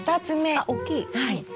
あっ大きい。